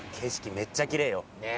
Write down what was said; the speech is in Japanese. めっちゃきれいよねえ